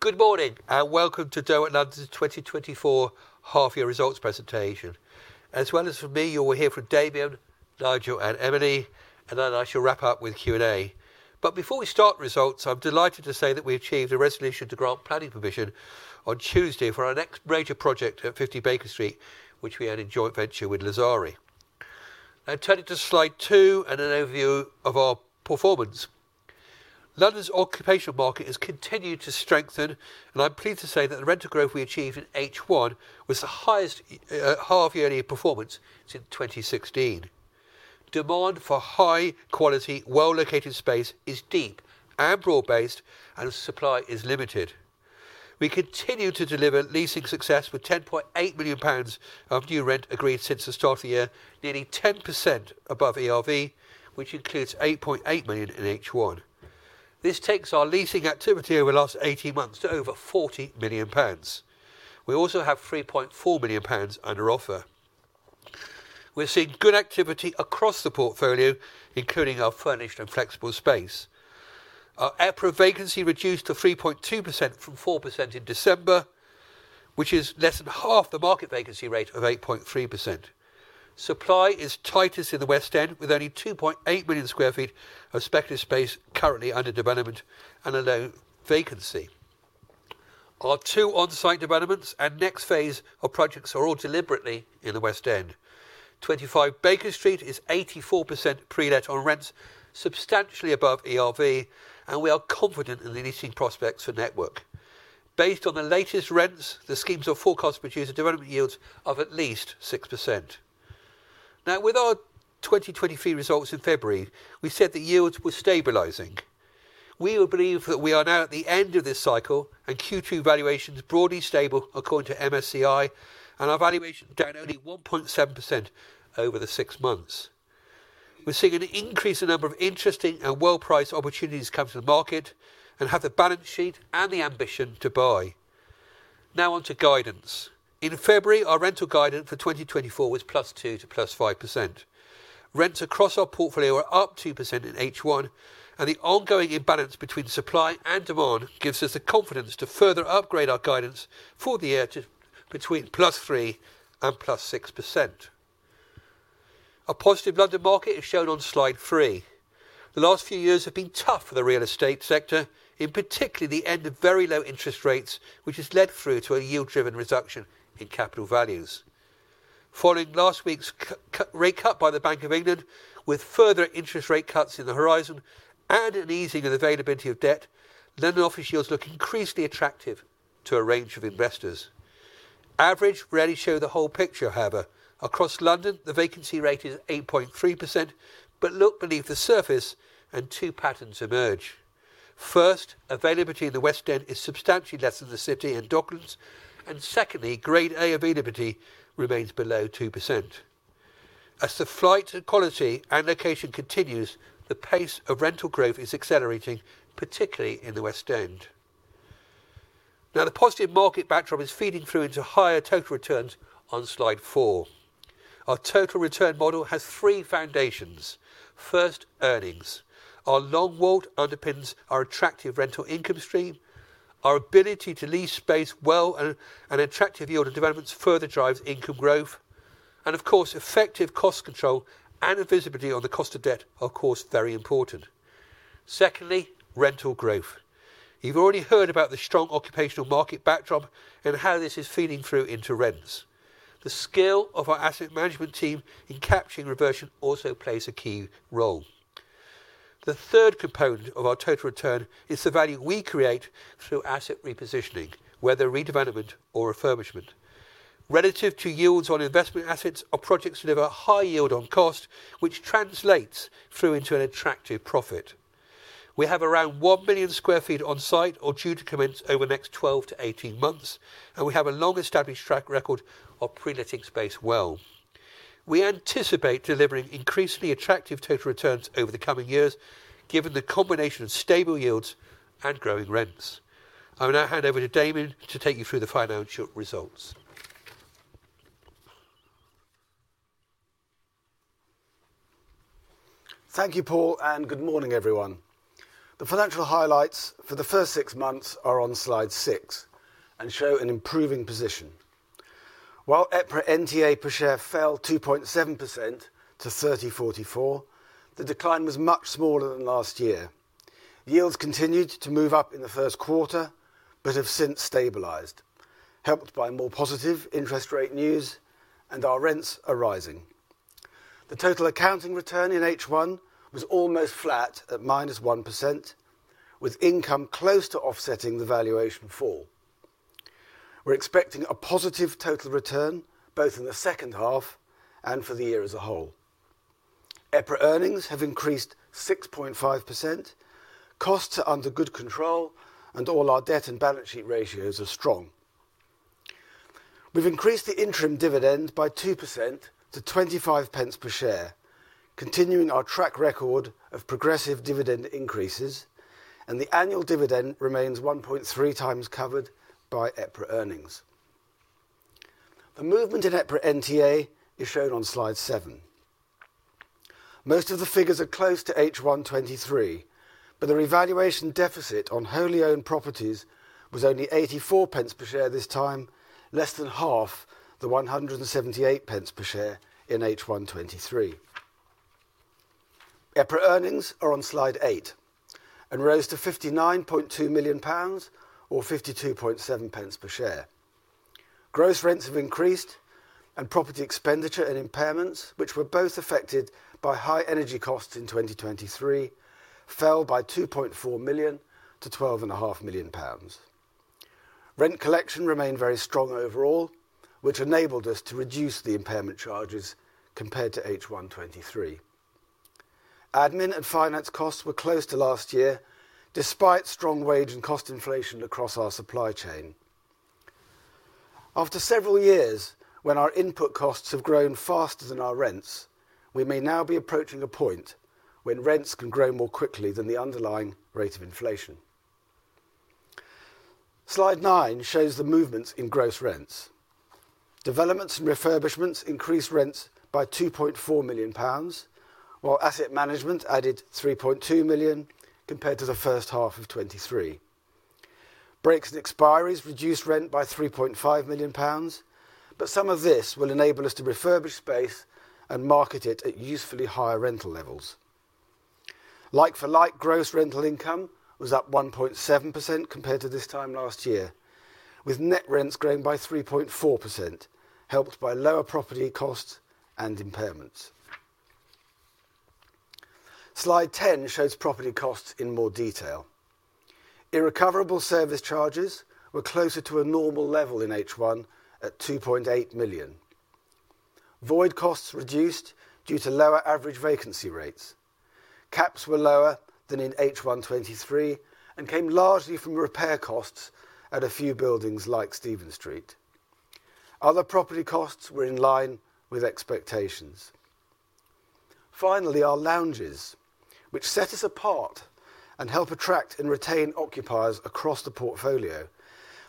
Good morning and welcome to Derwent London's 2024 half-year results presentation. As well as for me, you'll hear from Damian, Nigel, and Emily, and then I shall wrap up with Q&A. But before we start the results, I'm delighted to say that we achieved a resolution to grant planning permission on Tuesday for our next major project at 50 Baker Street, which we had in joint venture with Lazzari. Now turn it to slide two and an overview of our performance. London's occupational market has continued to strengthen, and I'm pleased to say that the rental growth we achieved in H1 was the highest half-yearly performance since 2016. Demand for high-quality, well-located space is deep and broad-based, and supply is limited. We continue to deliver leasing success with 10.8 million pounds of new rent agreed since the start of the year, nearly 10% above ERV, which includes 8.8 million in H1. This takes our leasing activity over the last 18 months to over £40 million. We also have £3.4 million under offer. We're seeing good activity across the portfolio, including our furnished and flexible space. Our overall vacancy reduced to 3.2% from 4% in December, which is less than half the market vacancy rate of 8.3%. Supply is tightest in the West End, with only 2.8 million sq ft of speculative space currently under development and a low vacancy. Our two on-site developments and next phase of projects are all deliberately in the West End. 25 Baker Street is 84% pre-let on rents, substantially above ERV, and we are confident in the leasing prospects for Network. Based on the latest rents, the schemes are forecast to produce a development yield of at least 6%. Now, with our 2023 results in February, we said the yields were stabilizing. We believe that we are now at the end of this cycle and Q2 valuations broadly stable according to MSCI, and our valuation down only 1.7% over the six months. We're seeing an increase in the number of interesting and well-priced opportunities come to the market and have the balance sheet and the ambition to buy. Now on to guidance. In February, our rental guidance for 2024 was +2% to +5%. Rents across our portfolio are up 2% in H1, and the ongoing imbalance between supply and demand gives us the confidence to further upgrade our guidance for the year to between +3% and +6%. A positive London market is shown on slide three. The last few years have been tough for the real estate sector, in particular the end of very low interest rates, which has led through to a yield-driven reduction in capital values. Following last week's rate cut by the Bank of England, with further interest rate cuts in the horizon and an easing of the availability of debt, London office yields look increasingly attractive to a range of investors. Average rarely shows the whole picture, however. Across London, the vacancy rate is 8.3%, but look beneath the surface and two patterns emerge. First, availability in the West End is substantially less than the City and Docklands, and secondly, Grade A availability remains below 2%. As the flight to quality and location continues, the pace of rental growth is accelerating, particularly in the West End. Now, the positive market backdrop is feeding through into higher total returns on slide 4. Our total return model has three foundations. First, earnings. Our long WALT underpins our attractive rental income stream. Our ability to lease space well and attractive yield to developments further drives income growth. Of course, effective cost control and visibility on the cost of debt are of course very important. Secondly, rental growth. You've already heard about the strong occupational market backdrop and how this is feeding through into rents. The skill of our asset management team in capturing reversion also plays a key role. The third component of our total return is the value we create through asset repositioning, whether redevelopment or refurbishment. Relative to yields on investment assets, our projects deliver a high yield on cost, which translates through into an attractive profit. We have around 1 million sq ft on site or due to commence over the next 12-18 months, and we have a long-established track record of pre-leting space well. We anticipate delivering increasingly attractive total returns over the coming years, given the combination of stable yields and growing rents. I will now hand over to Damian to take you through the financial results. Thank you, Paul, and good morning, everyone. The financial highlights for the first six months are on slide six and show an improving position. While EPRA NTA per share fell 2.7% to 30.44, the decline was much smaller than last year. Yields continued to move up in the first quarter but have since stabilized, helped by more positive interest rate news, and our rents are rising. The total accounting return in H1 was almost flat at -1%, with income close to offsetting the valuation fall. We're expecting a positive total return both in the second half and for the year as a whole. EPRA earnings have increased 6.5%. Costs are under good control, and all our debt and balance sheet ratios are strong. We've increased the interim dividend by 2% to 0.25 per share, continuing our track record of progressive dividend increases, and the annual dividend remains 1.3 times covered by EPRA earnings. The movement in EPRA NTA is shown on slide 7. Most of the figures are close to H123, but the revaluation deficit on wholly owned properties was only 0.84 per share this time, less than half the 1.78 per share in H123. EPRA earnings are on slide 8 and rose to £59.2 million or 0.527 per share. Gross rents have increased, and property expenditure and impairments, which were both affected by high energy costs in 2023, fell by 2.4 million to 12.5 million pounds. Rent collection remained very strong overall, which enabled us to reduce the impairment charges compared to H123. Admin and finance costs were close to last year, despite strong wage and cost inflation across our supply chain. After several years, when our input costs have grown faster than our rents, we may now be approaching a point when rents can grow more quickly than the underlying rate of inflation. Slide 9 shows the movements in gross rents. Developments and refurbishments increased rents by 2.4 million pounds, while asset management added 3.2 million compared to the first half of 2023. Breaks and expiries reduced rent by 3.5 million pounds, but some of this will enable us to refurbish space and market it at usefully higher rental levels. Like-for-like gross rental income was up 1.7% compared to this time last year, with net rents growing by 3.4%, helped by lower property costs and impairments. Slide 10 shows property costs in more detail. Irrecoverable service charges were closer to a normal level in H1 at 2.8 million. Void costs reduced due to lower average vacancy rates. Caps were lower than in H123 and came largely from repair costs at a few buildings like Steven Street. Other property costs were in line with expectations. Finally, our lounges, which set us apart and help attract and retain occupiers across the portfolio.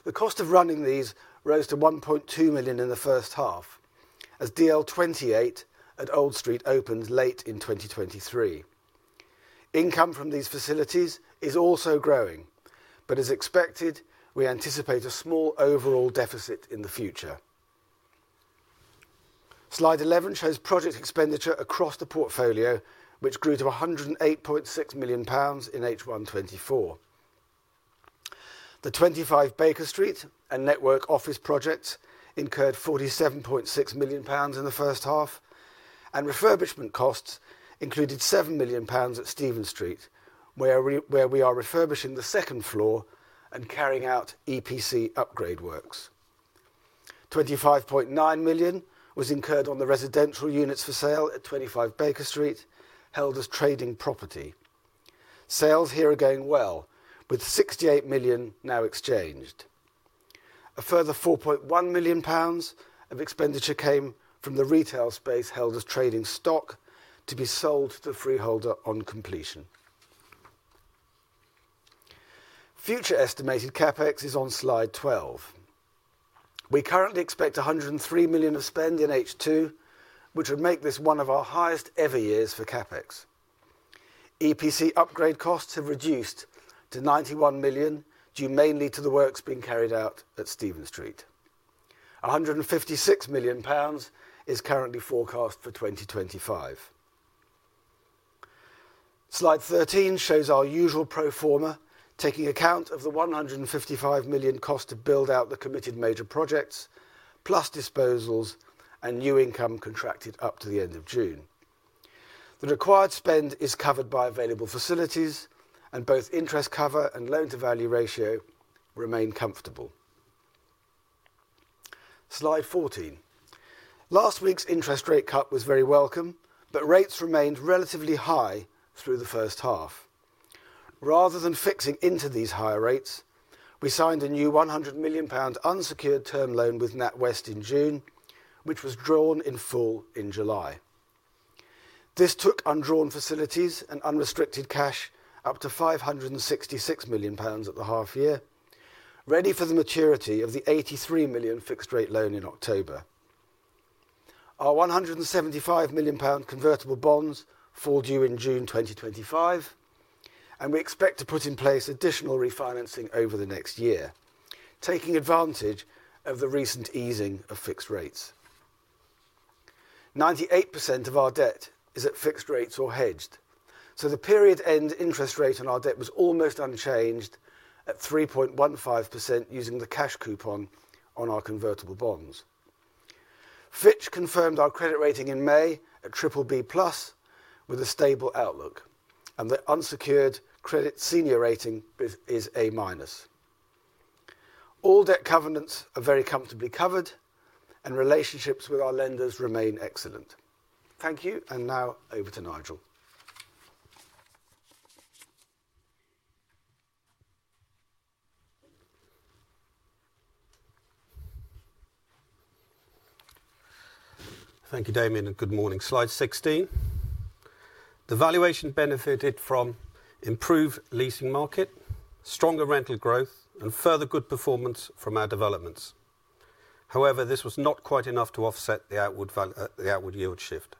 The cost of running these rose to 1.2 million in the first half, as DL28 at Old Street opened late in 2023. Income from these facilities is also growing, but as expected, we anticipate a small overall deficit in the future. Slide 11 shows project expenditure across the portfolio, which grew to 108.6 million pounds in H124. The 25 Baker Street and Network office projects incurred 47.6 million pounds in the first half, and refurbishment costs included 7 million pounds at Steven Street, where we are refurbishing the second floor and carrying out EPC upgrade works. 25.9 million was incurred on the residential units for sale at 25 Baker Street, held as trading property. Sales here are going well, with 68 million now exchanged. A further 4.1 million pounds of expenditure came from the retail space held as trading stock to be sold to the freeholder on completion. Future estimated CapEx is on slide 12. We currently expect 103 million of spend in H2, which would make this one of our highest ever years for CapEx. EPC upgrade costs have reduced to 91 million due mainly to the works being carried out at Steven Street. 156 million pounds is currently forecast for 2025. Slide 13 shows our usual pro forma, taking account of the 155 million cost to build out the committed major projects, plus disposals and new income contracted up to the end of June. The required spend is covered by available facilities, and both interest cover and loan-to-value ratio remain comfortable. Slide 14. Last week's interest rate cut was very welcome, but rates remained relatively high through the first half. Rather than fixing into these higher rates, we signed a new 100 million pound unsecured term loan with NatWest in June, which was drawn in full in July. This took undrawn facilities and unrestricted cash up to 566 million pounds at the half year, ready for the maturity of the 83 million fixed-rate loan in October. Our 175 million pound convertible bonds fall due in June 2025, and we expect to put in place additional refinancing over the next year, taking advantage of the recent easing of fixed rates. 98% of our debt is at fixed rates or hedged, so the period-end interest rate on our debt was almost unchanged at 3.15% using the cash coupon on our convertible bonds. Fitch confirmed our credit rating in May at BBB plus, with a stable outlook, and the unsecured credit senior rating is A minus. All debt covenants are very comfortably covered, and relationships with our lenders remain excellent. Thank you, and now over to Nigel. Thank you, Damian, and good morning. Slide 16. The valuation benefited from improved leasing market, stronger rental growth, and further good performance from our developments. However, this was not quite enough to offset the outward yield shift.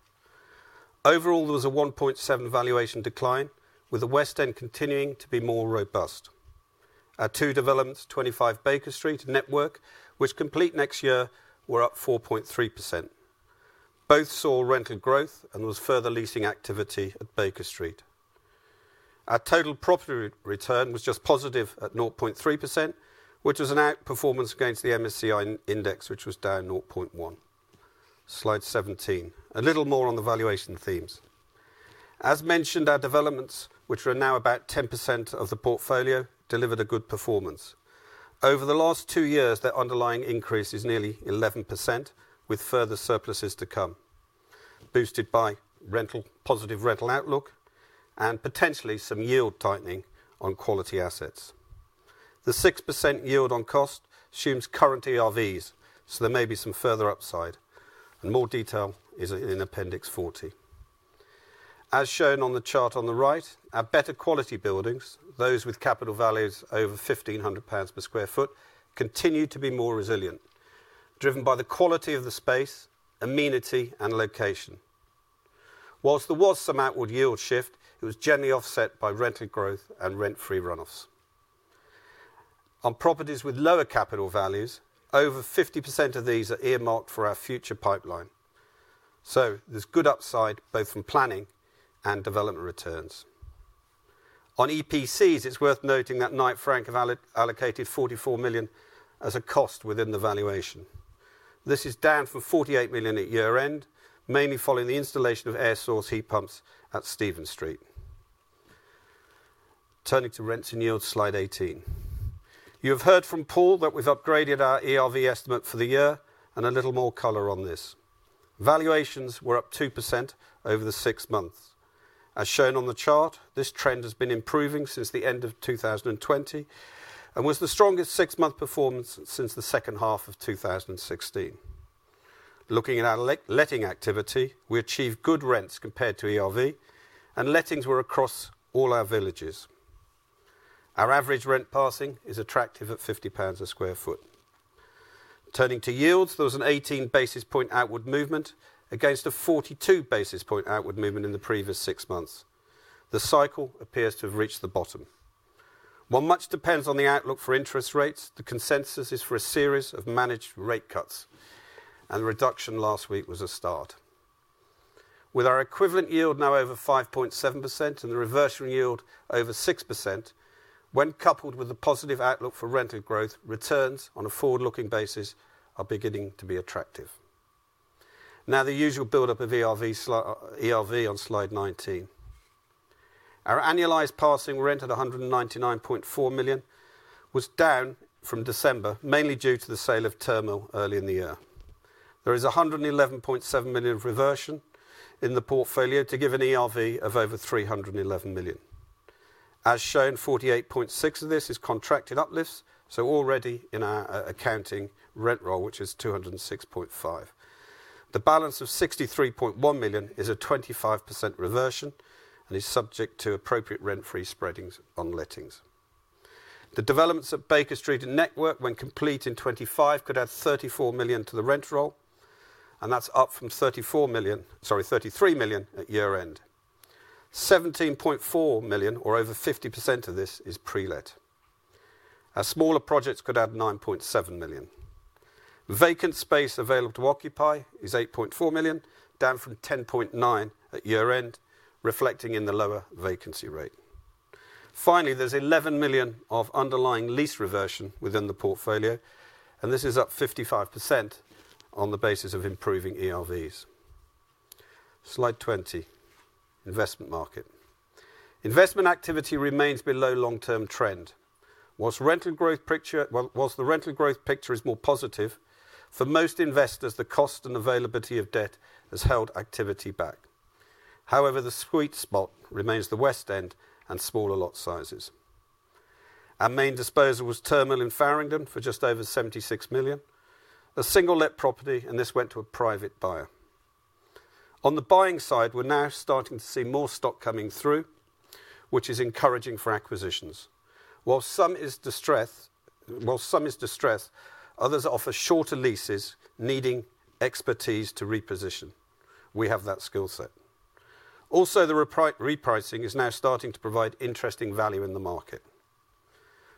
Overall, there was a 1.7 valuation decline, with the West End continuing to be more robust. Our two developments, 25 Baker Street and Network, which complete next year, were up 4.3%. Both saw rental growth and there was further leasing activity at Baker Street. Our total property return was just positive at 0.3%, which was an outperformance against the MSCI index, which was down 0.1. Slide 17. A little more on the valuation themes. As mentioned, our developments, which are now about 10% of the portfolio, delivered a good performance. Over the last two years, their underlying increase is nearly 11%, with further surpluses to come, boosted by positive rental outlook and potentially some yield tightening on quality assets. The 6% yield on costs assumes current ERVs, so there may be some further upside, and more detail is in Appendix 40. As shown on the chart on the right, our better quality buildings, those with capital values over 1,500 pounds per sq ft, continue to be more resilient, driven by the quality of the space, amenity, and location. Whilst there was some outward yield shift, it was generally offset by rental growth and rent-free runoffs. On properties with lower capital values, over 50% of these are earmarked for our future pipeline, so there's good upside both from planning and development returns. On EPCs, it's worth noting that Knight Frank allocated 44 million as a cost within the valuation. This is down from 48 million at year-end, mainly following the installation of air source heat pumps at Steven Street. Turning to rents and yields, slide 18. You have heard from Paul that we've upgraded our ERV estimate for the year and a little more color on this. Valuations were up 2% over the six months. As shown on the chart, this trend has been improving since the end of 2020 and was the strongest six-month performance since the second half of 2016. Looking at our letting activity, we achieved good rents compared to ERV, and lettings were across all our villages. Our average rent passing is attractive at 50 GBP/sq ft. Turning to yields, there was an 18 basis point outward movement against a 42 basis point outward movement in the previous six months. The cycle appears to have reached the bottom. While much depends on the outlook for interest rates, the consensus is for a series of managed rate cuts, and the reduction last week was a start. With our equivalent yield now over 5.7% and the reversion yield over 6%, when coupled with the positive outlook for rental growth, returns on a forward-looking basis are beginning to be attractive. Now, the usual build-up of ERV on slide 19. Our annualized passing rent at 199.4 million was down from December, mainly due to the sale of Turnmill early in the year. There is 111.7 million of reversion in the portfolio to give an ERV of over 311 million. As shown, 48.6% of this is contracted uplifts, so already in our accounting rent roll, which is 206.5%. The balance of 63.1 million is a 25% reversion and is subject to appropriate rent-free spreadings on lettings. The developments at Baker Street and Network, when complete in 2025, could add 34 million to the rent roll, and that's up from 34 million, sorry, 33 million at year-end. 17.4 million, or over 50% of this, is pre-let. Our smaller projects could add 9.7 million. Vacant space available to occupy is 8.4 million, down from 10.9 million at year-end, reflecting in the lower vacancy rate. Finally, there's 11 million of underlying lease reversion within the portfolio, and this is up 55% on the basis of improving ERVs. Slide 20. Investment market. Investment activity remains below long-term trend. Whilst the rental growth picture is more positive, for most investors, the cost and availability of debt has held activity back. However, the sweet spot remains the West End and smaller lot sizes. Our main disposal was Turnmill in Farringdon for just over 76 million, a single-let property, and this went to a private buyer. On the buying side, we're now starting to see more stock coming through, which is encouraging for acquisitions. While some is distressed, others offer shorter leases needing expertise to reposition. We have that skill set. Also, the repricing is now starting to provide interesting value in the market.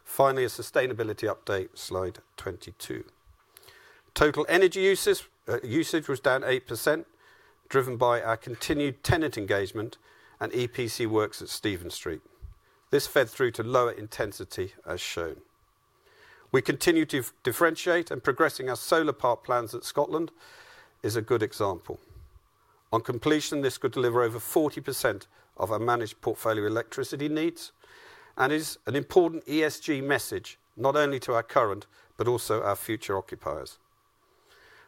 Finally, a sustainability update, slide 22. Total energy usage was down 8%, driven by our continued tenant engagement and EPC works at Steven Street. This fed through to lower intensity, as shown. We continue to differentiate, and progressing our solar park plans at Scotland is a good example. On completion, this could deliver over 40% of our managed portfolio electricity needs and is an important ESG message, not only to our current but also our future occupiers.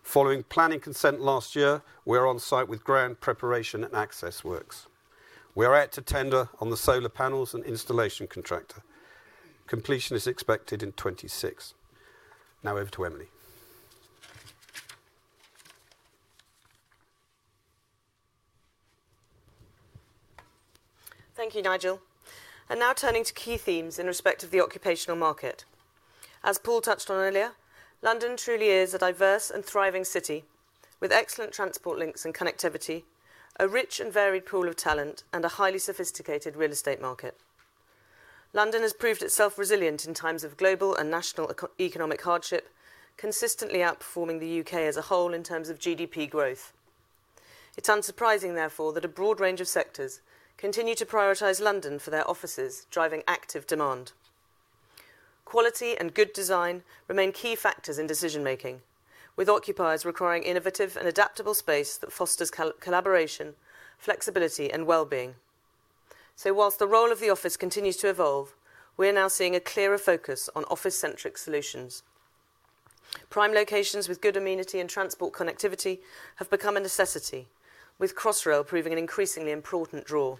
Following planning consent last year, we are on site with ground preparation and access works. We are out to tender on the solar panels and installation contractor. Completion is expected in 2026. Now over to Emily. Thank you, Nigel. Now turning to key themes in respect of the occupier market. As Paul touched on earlier, London truly is a diverse and thriving city with excellent transport links and connectivity, a rich and varied pool of talent, and a highly sophisticated real estate market. London has proved itself resilient in times of global and national economic hardship, consistently outperforming the U.K. as a whole in terms of GDP growth. It's unsurprising, therefore, that a broad range of sectors continue to prioritize London for their offices, driving active demand. Quality and good design remain key factors in decision-making, with occupiers requiring innovative and adaptable space that fosters collaboration, flexibility, and well-being. While the role of the office continues to evolve, we are now seeing a clearer focus on office-centric solutions. Prime locations with good amenity and transport connectivity have become a necessity, with Crossrail proving an increasingly important draw.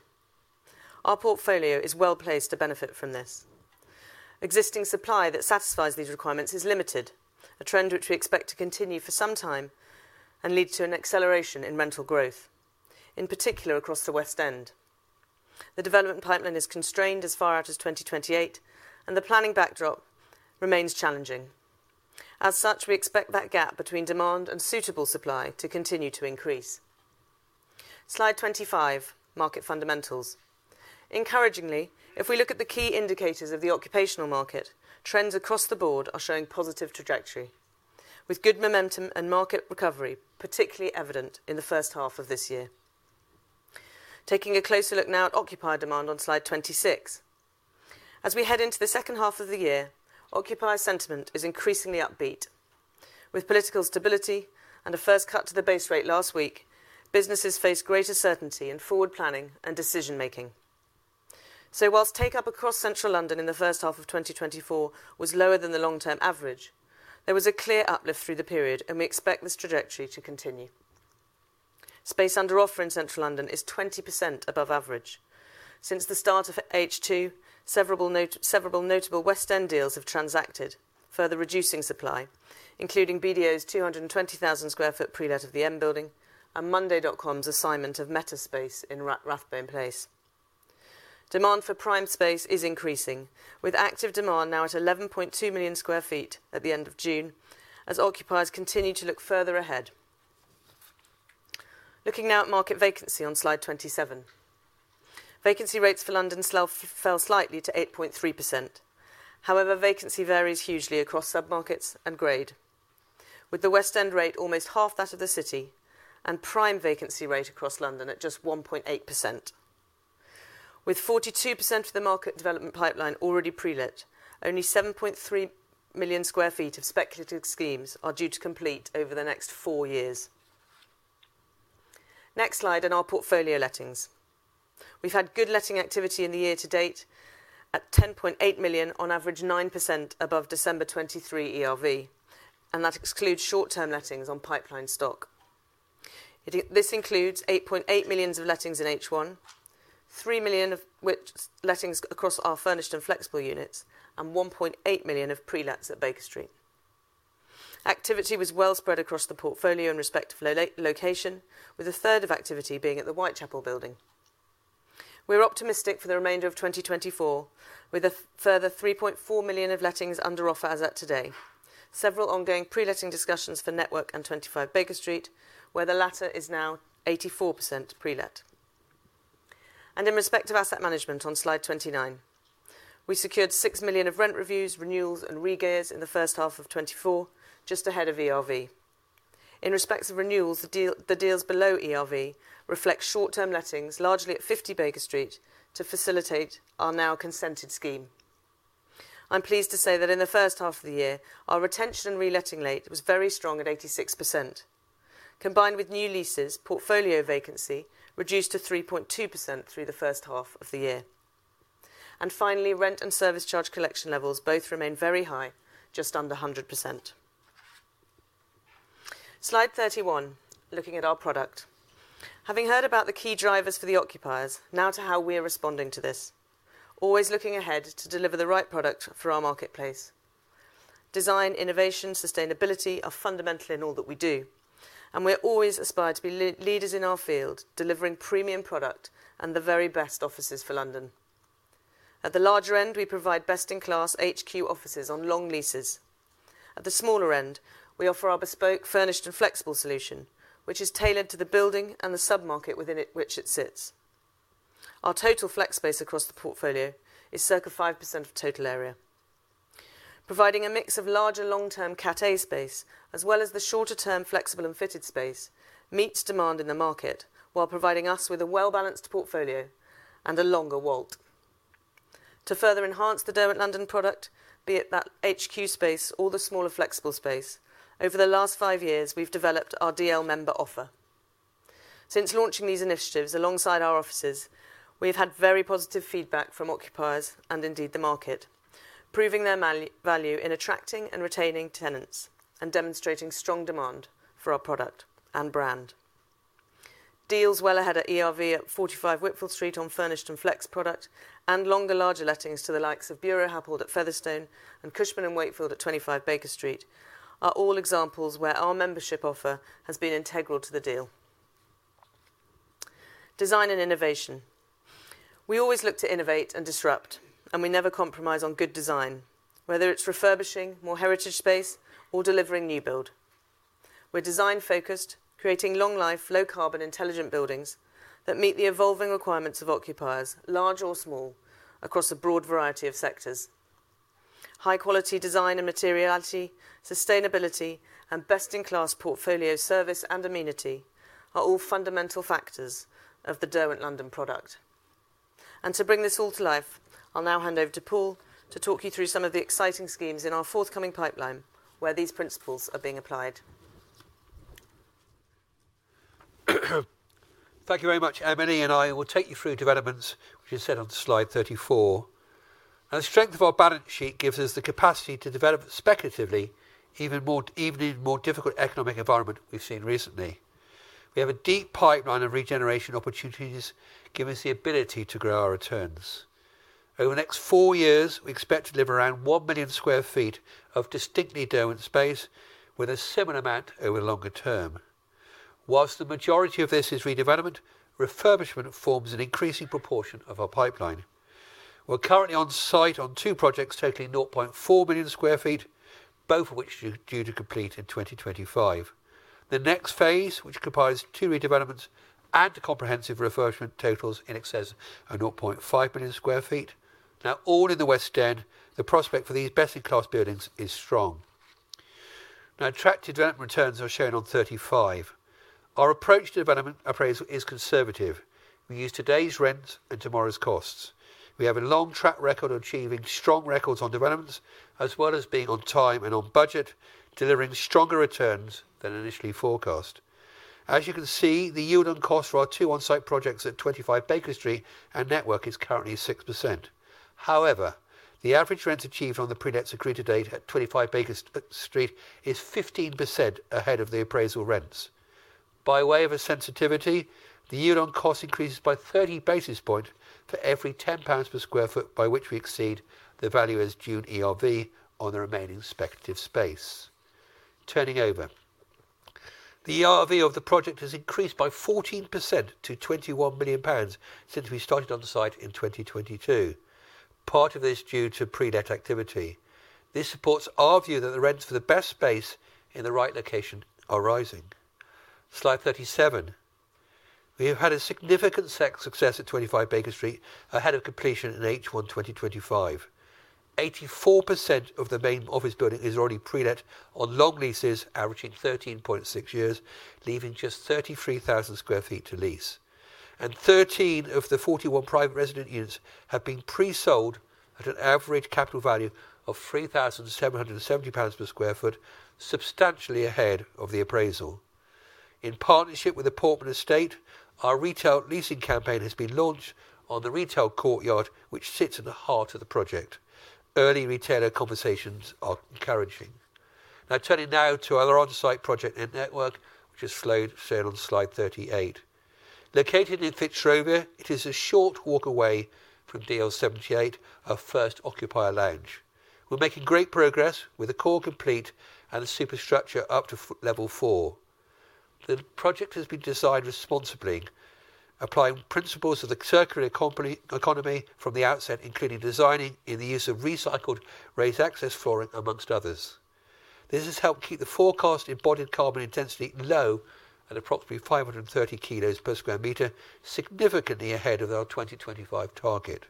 Our portfolio is well placed to benefit from this. Existing supply that satisfies these requirements is limited, a trend which we expect to continue for some time and lead to an acceleration in rental growth, in particular across the West End. The development pipeline is constrained as far out as 2028, and the planning backdrop remains challenging. As such, we expect that gap between demand and suitable supply to continue to increase. Slide 25. Market fundamentals. Encouragingly, if we look at the key indicators of the occupational market, trends across the board are showing positive trajectory, with good momentum and market recovery particularly evident in the first half of this year. Taking a closer look now at occupier demand on slide 26. As we head into the second half of the year, occupier sentiment is increasingly upbeat. With political stability and a first cut to the base rate last week, businesses face greater certainty in forward planning and decision-making. So while take-up across central London in the first half of 2024 was lower than the long-term average, there was a clear uplift through the period, and we expect this trajectory to continue. Space under offer in central London is 20% above average. Since the start of H2, several notable West End deals have transacted, further reducing supply, including BDO's 220,000 sq ft pre-let of the M building and Monday.com's assignment of Metaspace in Rathbone Place. Demand for prime space is increasing, with active demand now at 11.2 million sq ft at the end of June, as occupiers continue to look further ahead. Looking now at market vacancy on slide 27. Vacancy rates for London fell slightly to 8.3%. However, vacancy varies hugely across submarkets and grade, with the West End rate almost half that of the city and prime vacancy rate across London at just 1.8%. With 42% of the market development pipeline already pre-let, only 7.3 million sq ft of speculative schemes are due to complete over the next four years. Next slide on our portfolio lettings. We've had good letting activity in the year to date at 10.8 million on average 9% above December 2023 ERV, and that excludes short-term lettings on pipeline stock. This includes 8.8 million of lettings in H1, 3 million of lettings across our furnished and flexible units, and 1.8 million of pre-lets at Baker Street. Activity was well spread across the portfolio in respect of location, with a third of activity being at the Whitechapel Building. We're optimistic for the remainder of 2024, with a further 3.4 million of lettings under offer as at today. Several ongoing pre-letting discussions for Network and 25 Baker Street, where the latter is now 84% pre-let. In respect of asset management on slide 29, we secured 6 million of rent reviews, renewals, and re-gears in the first half of 2024, just ahead of ERV. In respect of renewals, the deals below ERV reflect short-term lettings, largely at 50 Baker Street, to facilitate our now consented scheme. I'm pleased to say that in the first half of the year, our retention and re-letting rate was very strong at 86%. Combined with new leases, portfolio vacancy reduced to 3.2% through the first half of the year. Finally, rent and service charge collection levels both remain very high, just under 100%. Slide 31. Looking at our product. Having heard about the key drivers for the occupiers, now to how we are responding to this. Always looking ahead to deliver the right product for our marketplace. Design, innovation, sustainability are fundamental in all that we do, and we always aspire to be leaders in our field, delivering premium product and the very best offices for London. At the larger end, we provide best-in-class HQ offices on long leases. At the smaller end, we offer our bespoke, furnished, and flexible solution, which is tailored to the building and the submarket within which it sits. Our total flex space across the portfolio is circa 5% of total area. Providing a mix of larger long-term Cat A space, as well as the shorter-term flexible and fitted space, meets demand in the market while providing us with a well-balanced portfolio and a longer WALT. To further enhance the Derwent London product, be it that HQ space or the smaller flexible space, over the last five years, we've developed our DL member offer. Since launching these initiatives alongside our offices, we have had very positive feedback from occupiers and indeed the market, proving their value in attracting and retaining tenants and demonstrating strong demand for our product and brand. Deals well ahead at ERV at 45 Whitfield Street on furnished and flex product and longer larger lettings to the likes of Buro Happold at Featherstone and Cushman & Wakefield at 25 Baker Street are all examples where our membership offer has been integral to the deal. Design and innovation. We always look to innovate and disrupt, and we never compromise on good design, whether it's refurbishing, more heritage space, or delivering new build. We're design-focused, creating long-life, low-carbon, intelligent buildings that meet the evolving requirements of occupiers, large or small, across a broad variety of sectors. High-quality design and materiality, sustainability, and best-in-class portfolio service and amenity are all fundamental factors of the Derwent London product. And to bring this all to life, I'll now hand over to Paul to talk you through some of the exciting schemes in our forthcoming pipeline where these principles are being applied. Thank you very much, Emily, and I will take you through developments which are set on slide 34. The strength of our balance sheet gives us the capacity to develop speculatively even in a more difficult economic environment we've seen recently. We have a deep pipeline of regeneration opportunities, giving us the ability to grow our returns. Over the next four years, we expect to deliver around 1 million sq ft of distinctly Derwent space with a similar amount over the longer term. While the majority of this is redevelopment, refurbishment forms an increasing proportion of our pipeline. We're currently on site on two projects totaling 0.4 million sq ft, both of which are due to complete in 2025. The next phase, which comprises two redevelopments, and comprehensive refurbishment totals in excess of 0.5 million sq ft. Now, all in the West End, the prospect for these best-in-class buildings is strong. Now, attractive development returns are shown on 35. Our approach to development appraisal is conservative. We use today's rents and tomorrow's costs. We have a long track record of achieving strong records on developments, as well as being on time and on budget, delivering stronger returns than initially forecast. As you can see, the yield on cost for our two on-site projects at 25 Baker Street and Network is currently 6%. However, the average rent achieved on the pre-lets accrued to date at 25 Baker Street is 15% ahead of the appraisal rents. By way of a sensitivity, the yield on cost increases by 30 basis points for every 10 pounds per sq ft by which we exceed the value as June ERV on the remaining speculative space. Turning over. The ERV of the project has increased by 14% to 21 million pounds since we started on site in 2022. Part of this is due to pre-let activity. This supports our view that the rents for the best space in the right location are rising. Slide 37. We have had a significant success at 25 Baker Street ahead of completion in H1 2025. 84% of the main office building is already pre-let on long leases averaging 13.6 years, leaving just 33,000 sq ft to lease. 13 of the 41 private resident units have been pre-sold at an average capital value of £3,770 per sq ft, substantially ahead of the appraisal. In partnership with the Portman Estate, our retail leasing campaign has been launched on the retail courtyard, which sits in the heart of the project. Early retailer conversations are encouraging. Now, turning now to our on-site project Network, which is shown on slide 38. Located in Fitzrovia, it is a short walk away from DL 78, our first occupier lounge. We're making great progress with the core complete and the superstructure up to level four. The project has been designed responsibly, applying principles of the circular economy from the outset, including designing in the use of recycled raised access flooring, among others. This has helped keep the forecast embodied carbon intensity low at approximately 530 kilos per sq m, significantly ahead of our 2025 target.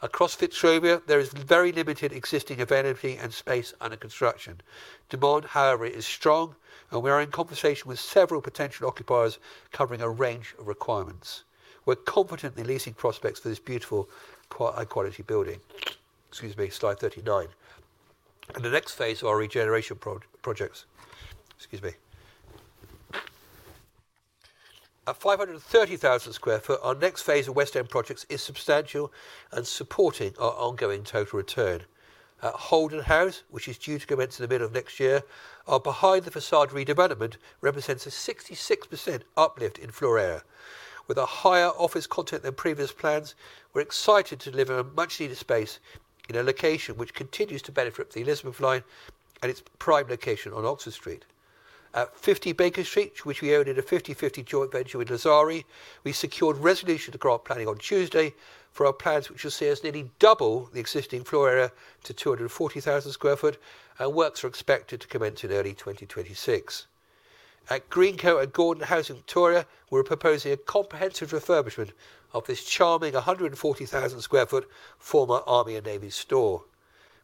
Across Fitzrovia, there is very limited existing availability and space under construction. Demand, however, is strong, and we are in conversation with several potential occupiers covering a range of requirements. We're confident in the leasing prospects for this beautiful high-quality building. Excuse me, slide 39. The next phase of our regeneration projects. Excuse me. At 530,000 sq ft, our next phase of West End projects is substantial and supporting our ongoing total return. Holden House, which is due to commence in the middle of next year, our behind-the-facade redevelopment represents a 66% uplift in floor area. With a higher office content than previous plans, we're excited to deliver a much-needed space in a location which continues to benefit from the Elizabeth Line and its prime location on Oxford Street. At 50 Baker Street, which we own in a 50/50 joint venture with Lazzari, we secured resolution to grant planning on Tuesday for our plans, which will see us nearly double the existing floor area to 240,000 sq ft, and works are expected to commence in early 2026. At Green Coat House and Gordon House in Victoria, we're proposing a comprehensive refurbishment of this charming 140,000 sq ft former Army and Navy store.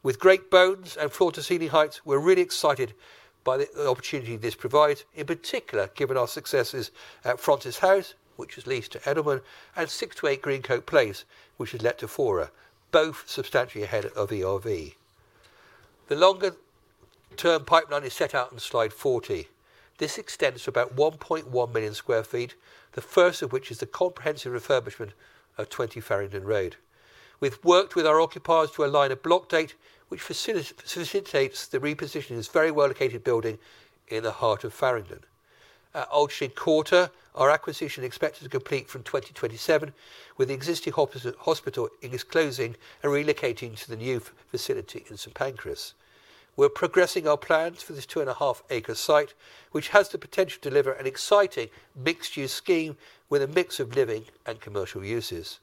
With great bones and floor to ceiling heights, we're really excited by the opportunity this provides, in particular given our successes at Francis House, which was leased to Edelman, and 6-8 Greencoat Place, which was let to Fora, both substantially ahead of ERV. The longer-term pipeline is set out on slide 40. This extends for about 1.1 million sq ft, the first of which is the comprehensive refurbishment of 20 Farringdon Road. We've worked with our occupiers to align a block date, which facilitates the repositioning of this very well-located building in the heart of Farringdon. At Alderstone Quarter, our acquisition is expected to complete from 2027, with the existing hospital in its closing and relocating to the new facility in St Pancras. We're progressing our plans for this 2.5-acre site, which has the potential to deliver an exciting mixed-use scheme with a mix of living and commercial uses.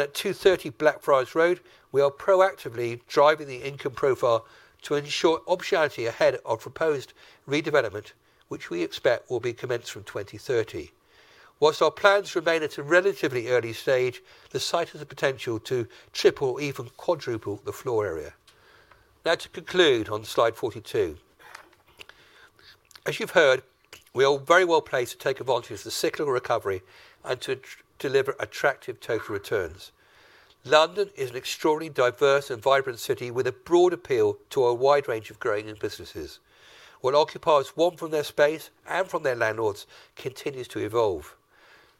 At 230 Blackfriars Road, we are proactively driving the income profile to ensure optionality ahead of proposed redevelopment, which we expect will be commenced from 2030. While our plans remain at a relatively early stage, the site has the potential to triple or even quadruple the floor area. Now, to conclude on slide 42. As you've heard, we are very well placed to take advantage of the cyclical recovery and to deliver attractive total returns. London is an extraordinarily diverse and vibrant city with a broad appeal to a wide range of growing businesses. What occupiers want from their space and from their landlords, it continues to evolve.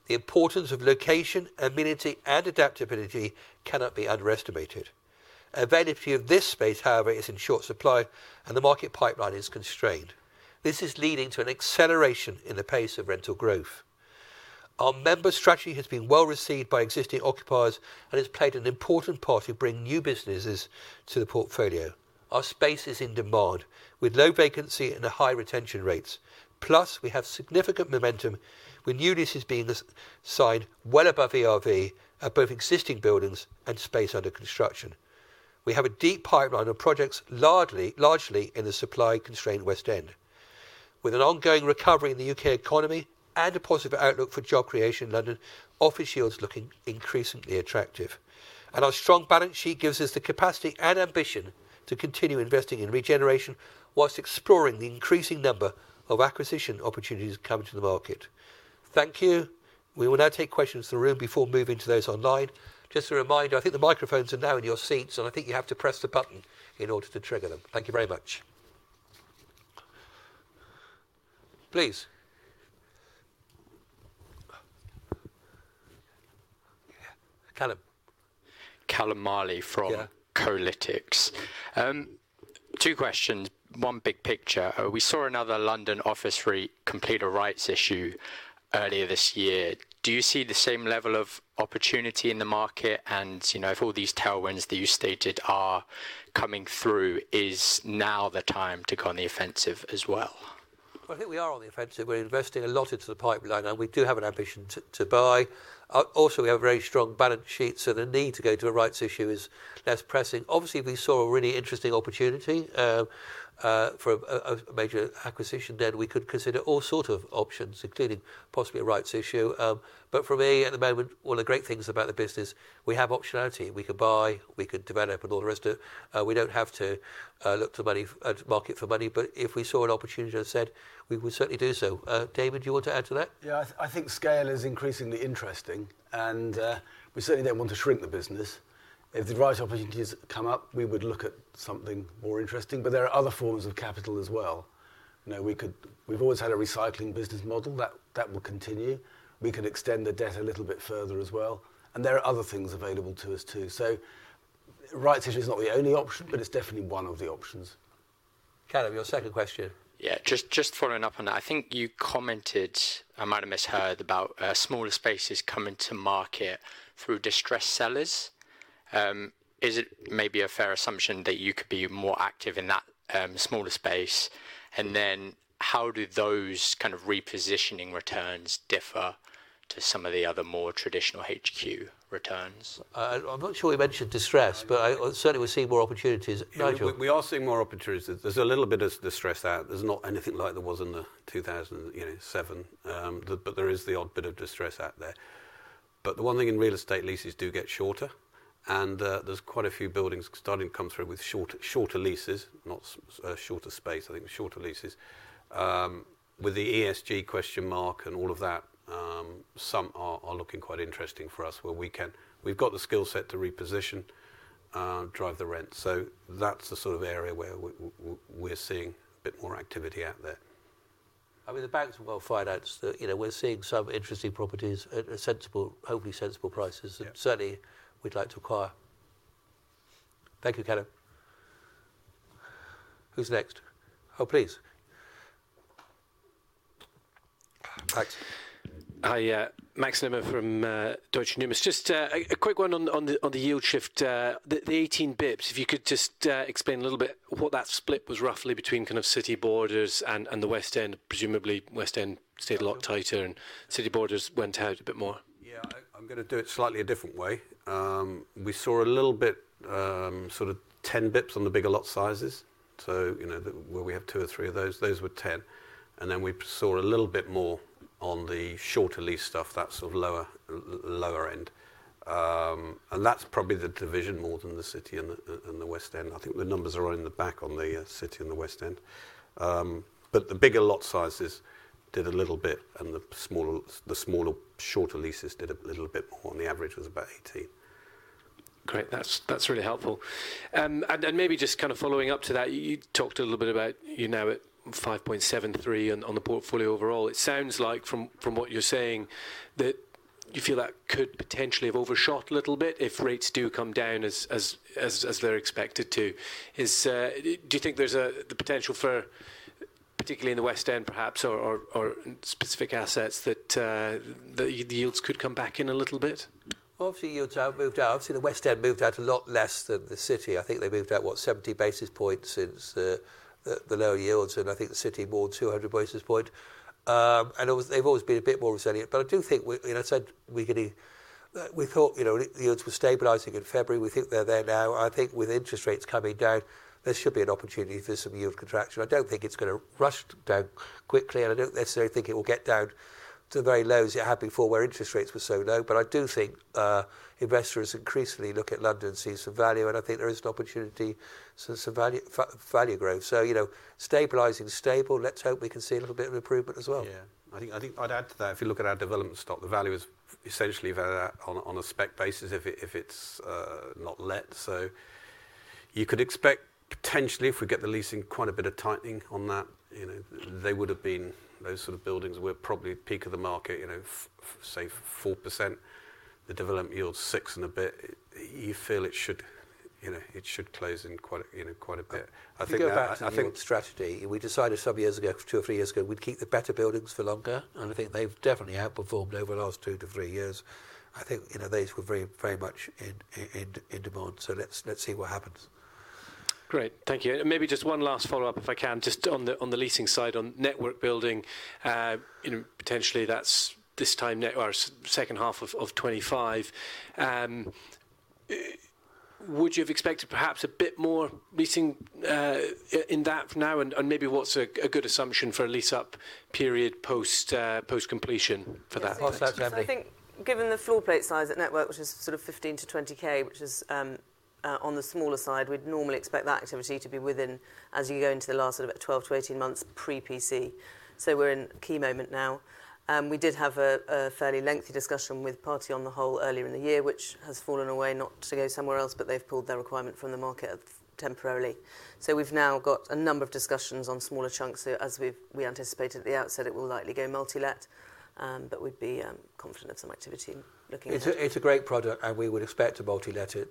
The importance of location, amenity, and adaptability cannot be underestimated. Availability of this space, however, is in short supply, and the market pipeline is constrained. This is leading to an acceleration in the pace of rental growth. Our member strategy has been well received by existing occupiers, and it's played an important part in bringing new businesses to the portfolio. Our space is in demand, with low vacancy and high retention rates. Plus, we have significant momentum, with new leases being signed well above ERV at both existing buildings and space under construction. We have a deep pipeline of projects, largely in the supply-constrained West End. With an ongoing recovery in the U.K. economy and a positive outlook for job creation in London, office yields are looking increasingly attractive. And our strong balance sheet gives us the capacity and ambition to continue investing in regeneration whilst exploring the increasing number of acquisition opportunities coming to the market. Thank you. We will now take questions from the room before moving to those online. Just a reminder, I think the microphones are now in your seats, and I think you have to press the button in order to trigger them. Thank you very much. Please. Callum Marley from Kolytics. Two questions, one big picture. We saw another London office complete a rights issue earlier this year. Do you see the same level of opportunity in the market? And if all these tailwinds that you stated are coming through, is now the time to go on the offensive as well? I think we are on the offensive. We're investing a lot into the pipeline, and we do have an ambition to buy. Also, we have a very strong balance sheet, so the need to go to a rights issue is less pressing. Obviously, we saw a really interesting opportunity for a major acquisition. Then we could consider all sorts of options, including possibly a rights issue. But for me, at the moment, one of the great things about the business, we have optionality. We could buy, we could develop, and all the rest of it. We don't have to look to market for money. But if we saw an opportunity, as I said, we would certainly do so. David, do you want to add to that? Yeah, I think scale is increasingly interesting, and we certainly don't want to shrink the business. If the right opportunities come up, we would look at something more interesting. But there are other forms of capital as well. We've always had a recycling business model. That will continue. We could extend the debt a little bit further as well. And there are other things available to us too. So rights issues are not the only option, but it's definitely one of the options. Calum, your second question. Yeah, just following up on that, I think you commented, I might have misheard, about smaller spaces coming to market through distressed sellers. Is it maybe a fair assumption that you could be more active in that smaller space? And then how do those kind of repositioning returns differ to some of the other more traditional HQ returns? I'm not sure we mentioned distressed, but certainly we're seeing more opportunities. We are seeing more opportunities. There's a little bit of distress out. There's not anything like there was in the 2007, but there is the odd bit of distress out there. But the one thing in real estate leases do get shorter, and there's quite a few buildings starting to come through with shorter leases, not shorter space, I think shorter leases. With the ESG question mark and all of that, some are looking quite interesting for us where we've got the skill set to reposition, drive the rent. So that's the sort of area where we're seeing a bit more activity out there. I mean, the banks have well fired out. We're seeing some interesting properties at hopefully sensible prices. Certainly, we'd like to acquire. Thank you, Calum. Who's next? Oh, please. Max Nimmo from Deutsche Numis. Just a quick one on the yield shift, the 18 basis points. If you could just explain a little bit what that split was roughly between kind of city borders and the West End, presumably West End stayed a lot tighter and city borders went out a bit more. Yeah, I'm going to do it slightly a different way. We saw a little bit sort of 10 basis points on the bigger lot sizes. So where we have two or three of those, those were 10. And then we saw a little bit more on the shorter lease stuff, that sort of lower end. That's probably the division more than the city and the West End. I think the numbers are all in the back on the city and the West End. But the bigger lot sizes did a little bit, and the smaller shorter leases did a little bit more. The average was about 18. Great. That's really helpful. Maybe just kind of following up to that, you talked a little bit about you're now at 5.73 on the portfolio overall. It sounds like from what you're saying that you feel that could potentially have overshot a little bit if rates do come down as they're expected to. Do you think there's the potential for, particularly in the West End perhaps, or specific assets that the yields could come back in a little bit? Obviously, yields have moved out. Obviously, the West End moved out a lot less than the city. I think they moved out, what, 70 basis points since the lower yields. And I think the city more than 200 basis points. And they've always been a bit more resilient. But I do think, as I said, we thought yields were stabilizing in February. We think they're there now. I think with interest rates coming down, there should be an opportunity for some yield contraction. I don't think it's going to rush down quickly. And I don't necessarily think it will get down to the very lows it had before where interest rates were so low. But I do think investors increasingly look at London and see some value. And I think there is an opportunity for some value growth. So stabilizing stable. Let's hope we can see a little bit of improvement as well. Yeah, I think I'd add to that. If you look at our development stock, the value is essentially on a spec basis if it's not let. So you could expect potentially, if we get the leasing quite a bit of tightening on that, they would have been those sort of buildings were probably peak of the market, say 4%. The development yields 6% and a bit. You feel it should close in quite a bit. I think that's a good strategy. We decided some years ago, 2 or 3 years ago, we'd keep the better buildings for longer. And I think they've definitely outperformed over the last two to 3 years. I think those were very much in demand. So let's see what happens. Great. Thank you. And maybe just one last follow-up, if I can, just on the leasing side on Network Building. Potentially that's this time our second half of 2025. Would you have expected perhaps a bit more leasing in that now? And maybe what's a good assumption for a lease-up period post-completion for that? I think given the floor plate size at Network, which is sort of 15,000-20,000, which is on the smaller side, we'd normally expect that activity to be within as you go into the last sort of 12-18 months pre-PC. So we're in a key moment now. We did have a fairly lengthy discussion with Party on the Whole earlier in the year, which has fallen away not to go somewhere else, but they've pulled their requirement from the market temporarily. So we've now got a number of discussions on smaller chunks. As we anticipated at the outset, it will likely go multi-let, but we'd be confident of some activity looking at it. It's a great product, and we would expect to multi-let it.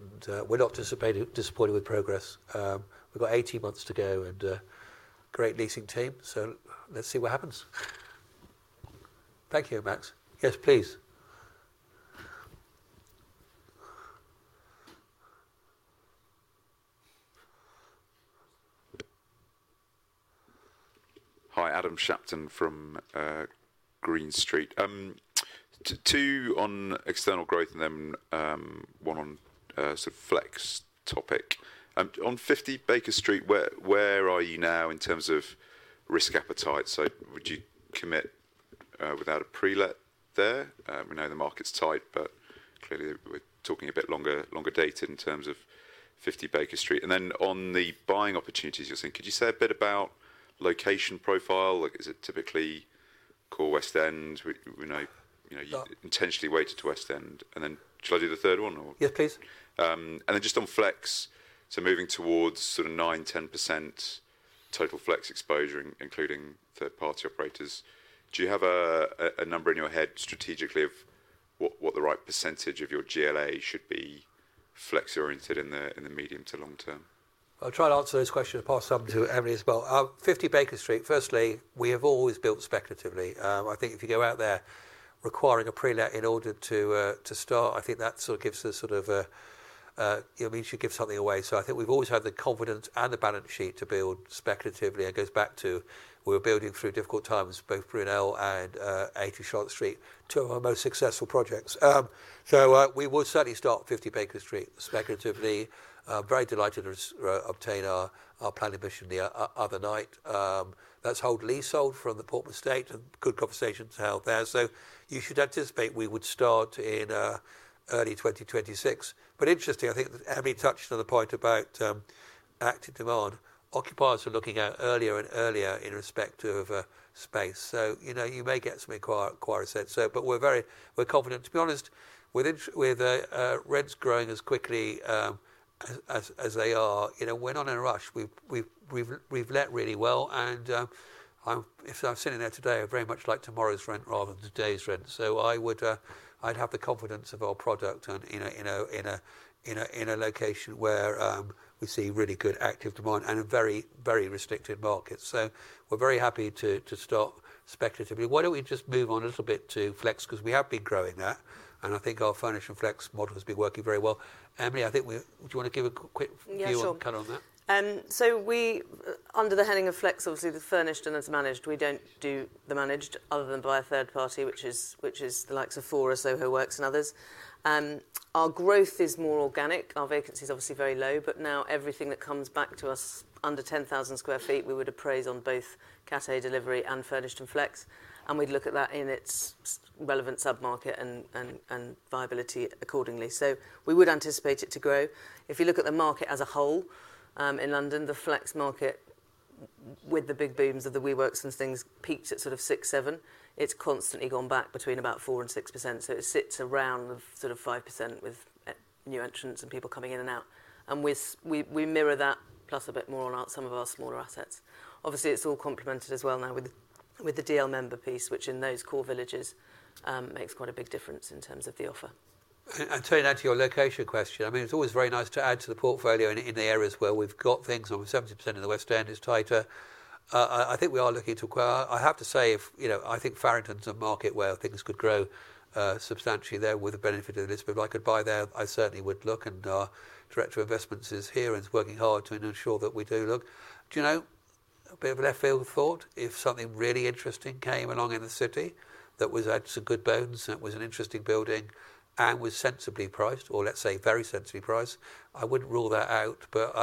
We're not disappointed with progress. We've got 18 months to go and a great leasing team. So let's see what happens. Thank you, Max. Yes, please. Hi, Adam Shapton from Green Street. 2 on external growth and then one on sort of flex topic. On 50 Baker Street, where are you now in terms of risk appetite? So would you commit without a pre-let there? We know the market's tight, but clearly we're talking a bit longer date in terms of 50 Baker Street. And then on the buying opportunities, you're saying, could you say a bit about location profile? Is it typically core West End? We know you intentionally waited to West End. And then shall I do the third one? Yes, please. And then just on flex, so moving towards sort of 9%-10% total flex exposure, including third-party operators. Do you have a number in your head strategically of what the right percentage of your GLA should be flex-oriented in the medium to long term? I'll try to answer those questions. I'll pass them to Emily as well. 50 Baker Street, firstly, we have always built speculatively. I think if you go out there requiring a pre-let in order to start, I think that sort of gives us sort of it means you give something away. So I think we've always had the confidence and the balance sheet to build speculatively. It goes back to we were building t hrough difficult times, both Brunel and 80 Charlotte Street, two of our most successful projects. So we would certainly start 50 Baker Street speculatively. Very delighted to obtain our planning permission the other night. That's headleasehold from the Portman Estate. Good conversation to have there. So you should anticipate we would start in early 2026. But interesting, I think Emily touched on the point about active demand. Occupiers are looking out earlier and earlier in respect of space. So you may get some acquirer sets. But we're confident. To be honest, with rents growing as quickly as they are, we're not in a rush. We've let really well. And if I'm sitting there today, I very much like tomorrow's rent rather than today's rent. So I'd have the confidence of our product in a location where we see really good active demand and a very, very restricted market. So we're very happy to start speculatively. Why don't we just move on a little bit to flex? Because we have been growing that. I think our furnish and flex model has been working very well. Emily, I think do you want to give a quick view on that? So under the heading of flex, obviously the furnished and managed, we don't do the managed other than by a third party, which is the likes of Fora, Soho Works and others. Our growth is more organic. Our vacancy is obviously very low. But now everything that comes back to us under 10,000 sq ft, we would appraise on both Cate delivery and furnished and flex. And we'd look at that in its relevant submarket and viability accordingly. So we would anticipate it to grow. If you look at the market as a whole in London, the flex market with the big booms of the WeWorks and things peaked at sort of 6%-7%. It's constantly gone back between about 4% and 6%. So it sits around sort of 5% with new entrants and people coming in and out. And we mirror that plus a bit more on some of our smaller assets. Obviously, it's all complemented as well now with the DL Member piece, which in those core villages makes quite a big difference in terms of the offer. And turning now to your location question, I mean, it's always very nice to add to the portfolio in the area as well. We've got things on 70% of the West End. It's tighter. I think we are looking to acquire. I have to say, I think Farringdon's a market where things could grow substantially there with the benefit of Elizabeth Line. If I could buy there, I certainly would look. And our director of investments is here and is working hard to ensure that we do look. Do you know, a bit of left-field thought, if something really interesting came along in the city that had some good bones and it was an interesting building and was sensibly priced, or let's say very sensibly priced, I wouldn't rule that out, but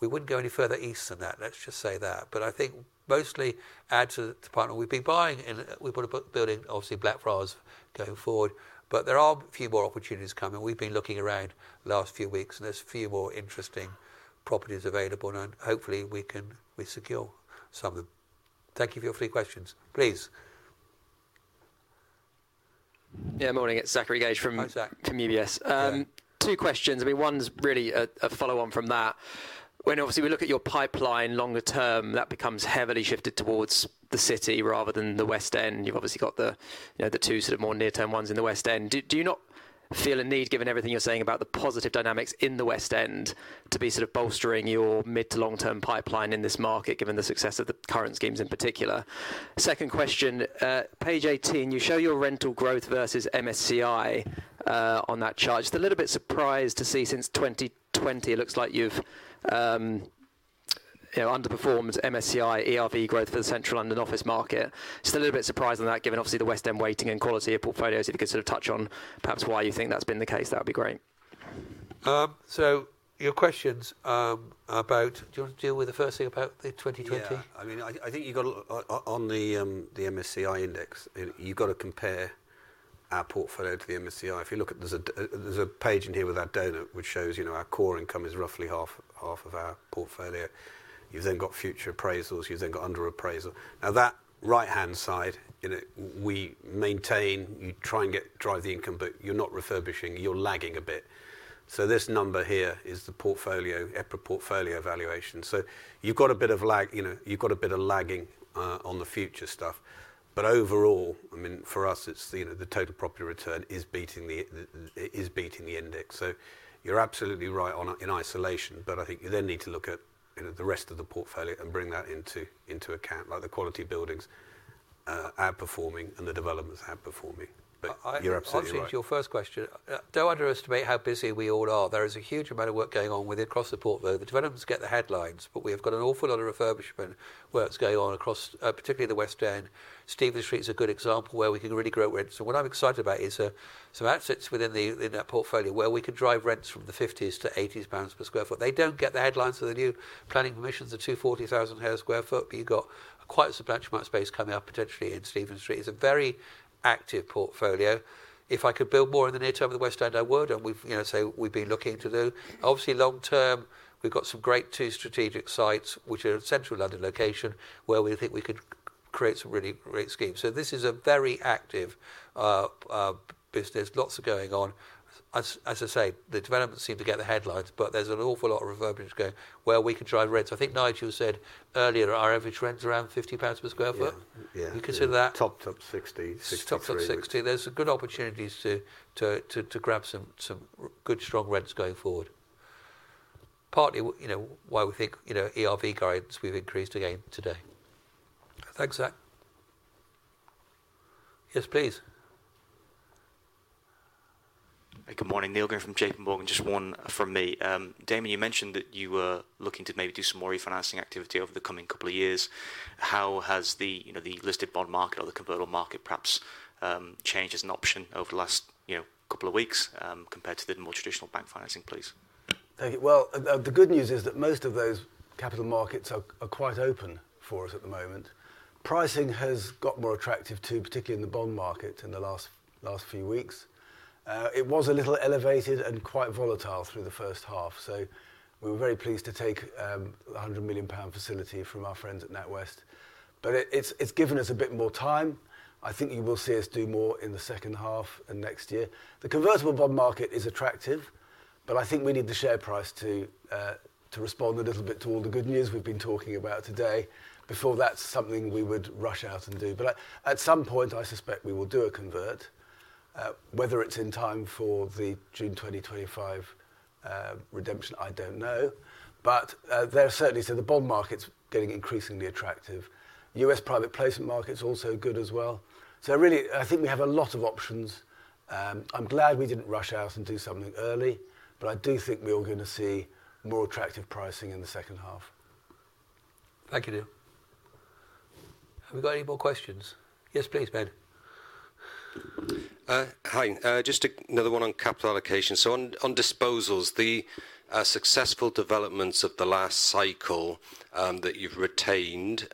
we wouldn't go any further east than that. Let's just say that. But I think mostly add to the department. We've been buying in; we've got a building, obviously Blackfriars going forward, but there are a few more opportunities coming. We've been looking around the last few weeks and there's a few more interesting properties available. And hopefully we can resecure some of them. Thank you for your three questions. Please. Yeah, morning. It's Zachary Gauge from UBS. Two questions. I mean, one's really a follow-on from that. When obviously we look at your pipeline longer term, that becomes heavily shifted towards the city rather than the West End. You've obviously got the two sort of more near-term ones in the West End. Do you not feel a need, given everything you're saying about the positive dynamics in the West End, to be sort of bolstering your mid to long-term pipeline in this market, given the success of the current schemes in particular? Second question, page 18, you show your rental growth versus MSCI on that chart. Just a little bit surprised to see since 2020, it looks like you've underperformed MSCI ERV growth for the central London office market. Just a little bit surprised on that, given obviously the West End weighting and quality of portfolios. If you could sort of touch on perhaps why you think that's been the case, that would be great. So, your questions about, do you want to deal with the first thing about the 2020? Yeah. I mean, I think you've got on the MSCI Index, you've got to compare our portfolio to the MSCI. If you look at, there's a page in here with our donut, which shows our core income is roughly half of our portfolio. You've then got future appraisals. You've then got under-appraisal. Now that right-hand side, we maintain, you try and drive the income, but you're not refurbishing. You're lagging a bit. So this number here is the portfolio, EPRA portfolio valuation. So you've got a bit of lag. You've got a bit of lagging on the future stuff. But overall, I mean, for us, it's the total property return is beating the index. So you're absolutely right in isolation. But I think you then need to look at the rest of the portfolio and bring that into account, like the quality buildings outperforming and the developments outperforming. But you're absolutely right. I'll answer your first question. Don't underestimate how busy we all are. There is a huge amount of work going on with it across the portfolio. The developments get the headlines, but we have got an awful lot of refurbishment works going on across, particularly the West End. Steven Street is a good example where we can really grow rents. And what I'm excited about is some assets within that portfolio where we could drive rents from the 50s-80s GBP per sq ft. They don't get the headlines of the new planning permissions of 240,000 sq ft, but you've got quite a substantial amount of space coming up potentially in Steven Street. It's a very active portfolio. If I could build more in the near term of the West End, I would. We've said we've been looking to do. Obviously, long term, we've got some great 2 strategic sites, which are central London location, where we think we could create some really great schemes. So this is a very active business. Lots are going on. As I say, the developments seem to get the headlines, but there's an awful lot of refurbishment going where we can drive rents. I think Nigel said earlier, our average rent's around 50 pounds per sq ft. You consider that? Top 60. There's good opportunities to grab some good, strong rents going forward. Partly why we think ERV guidance we've increased again today. Thanks, Zach. Yes, please. Good morning. Neil Green from JP Morgan. Just one from me. Damian, you mentioned that you were looking to maybe do some more refinancing activity over the coming couple of years. How has the listed bond market or the convertible market perhaps changed as an option over the last couple of weeks compared to the more traditional bank financing, please? Well, the good news is that most of those capital markets are quite open for us at the moment. Pricing has got more attractive too, particularly in the bond market in the last few weeks. It was a little elevated and quite volatile through the first half. So we were very pleased to take the 100 million pound facility from our friends at NatWest. But it's given us a bit more time. I think you will see us do more in the second half and next year. The convertible bond market is attractive, but I think we need the share price to respond a little bit to all the good news we've been talking about today. Before that's something we would rush out and do. But at some point, I suspect we will do a convert. Whether it's in time for the June 2025 redemption, I don't know. But there are certainly, so the bond market's getting increasingly attractive. U.S. private placement market's also good as well. So really, I think we have a lot of options. I'm glad we didn't rush out and do something early, but I do think we're all going to see more attractive pricing in the second half. Thank you, Neil. Have we got any more questions? Yes, please, Ben. Hi, just another one on capital allocation. So on disposals, the successful developments of the last cycle that you've retained,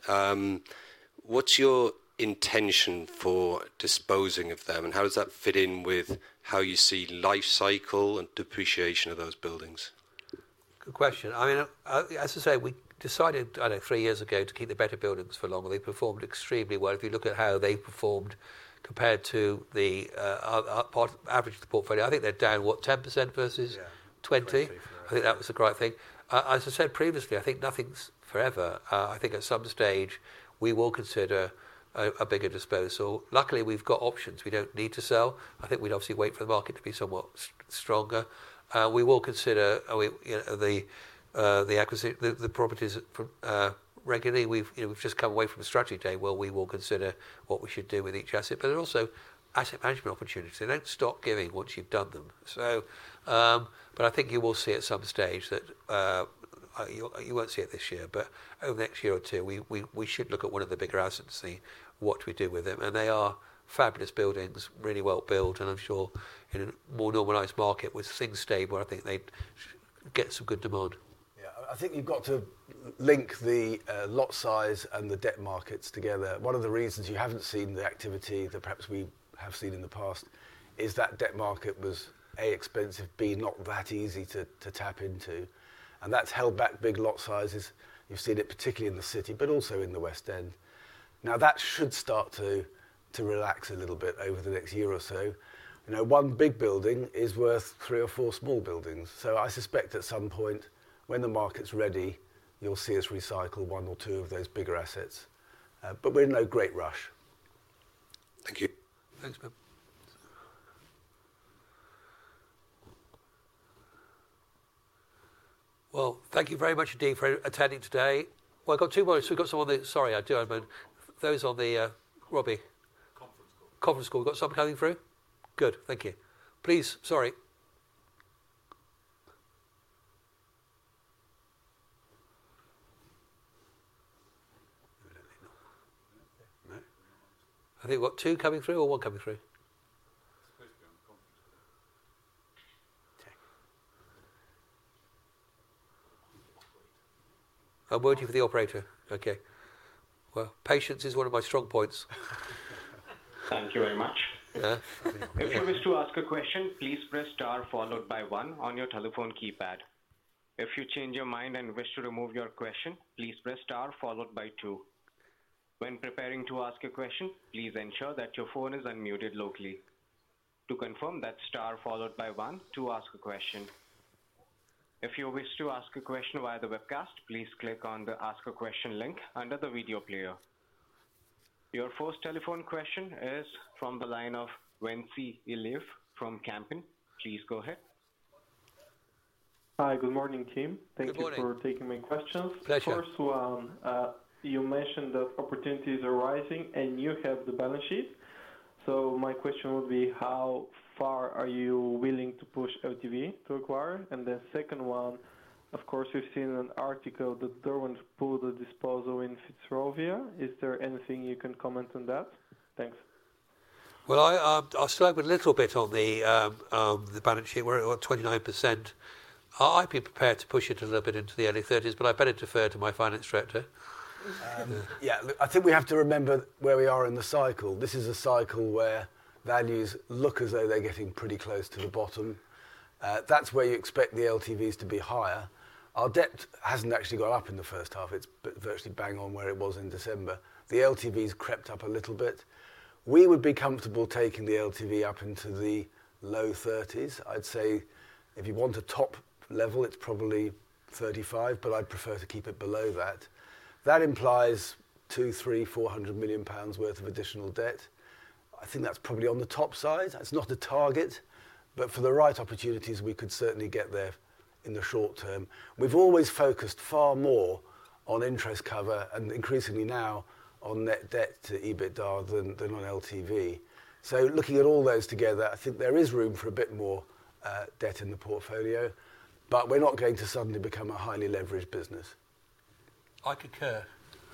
what's your intention for disposing of them? And how does that fit in with how you see life cycle and depreciation of those buildings? Good question. I mean, as I say, we decided, I don't know, 3 years ago to keep the better buildings for longer. They performed extremely well. If you look at how they performed compared to the average of the portfolio, I think they're down, what, 10% versus 20%. I think that was a great thing. As I said previously, I think nothing's forever. I think at some stage, we will consider a bigger disposal. Luckily, we've got options. We don't need to sell. I think we'd obviously wait for the market to be somewhat stronger. We will consider the properties regularly. We've just come away from a strategy day where we will consider what we should do with each asset. But there are also asset management opportunities. They don't stop giving once you've done them. But I think you will see at some stage that you won't see it this year, but over the next year or two, we should look at one of the bigger assets and see what we do with them. And they are fabulous buildings, really well built. And I'm sure in a more normalized market with things stable, I think they'd get some good demand. Yeah, I think you've got to link the lot size and the debt markets together. One of the reasons you haven't seen the activity that perhaps we have seen in the past is that debt market was, A, expensive, B, not that easy to tap into. That's held back big lot sizes. You've seen it particularly in the city, but also in the West End. Now that should start to relax a little bit over the next year or so. One big building is worth three or four small buildings. So I suspect at some point, when the market's ready, you'll see us recycle one or two of those bigger assets. But we're in no great rush. Thank you. Thanks, Ben. Well, thank you very much, Team, for attending today. Well, I've got two more. So we've got some on the, sorry, I do have those on the, Robbie? Conference call. Conference call. We've got some coming through? Good. Thank you. Please, sorry. I think we've got two coming through or one coming through? Okay. I'm waiting for the operator. Okay. Well, patience is one of my strong points. Thank you very much. If you wish to ask a question, please press star followed by one on your telephone keypad. If you change your mind and wish to remove your question, please press star followed by two. When preparing to ask a question, please ensure that your phone is unmuted locally. To confirm, that's star followed by one to ask a question. If you wish to ask a question via the webcast, please click on the ask a question link under the video player. Your first telephone question is from the line of Wensie Elif from Kempen. Please go ahead. Hi, good morning, team. Thank you for taking my questions. Pleasure. First one, you mentioned that opportunities are rising and you have the balance sheet. So my question would be, how far are you willing to push LTV to acquire? The second one, of course, we've seen an article that Derwent pulled a disposal in Fitzrovia. Is there anything you can comment on that? Thanks. Well, I'll struggle a little bit on the balance sheet where we're at 29%. I'd be prepared to push it a little bit into the early 30s, but I better defer to my finance director. Yeah, I think we have to remember where we are in the cycle. This is a cycle where values look as though they're getting pretty close to the bottom. That's where you expect the LTVs to be higher. Our debt hasn't actually gone up in the first half. It's virtually bang on where it was in December. The LTVs crept up a little bit. We would be comfortable taking the LTV up into the low 30s. I'd say if you want a top level, it's probably 35, but I'd prefer to keep it below that. That implies 200 million, 300 million, 400 million pounds worth of additional debt. I think that's probably on the top side. It's not a target, but for the right opportunities, we could certainly get there in the short term. We've always focused far more on interest cover and increasingly now on net debt to EBITDA than on LTV. So looking at all those together, I think there is room for a bit more debt in the portfolio, but we're not going to suddenly become a highly leveraged business. I concur.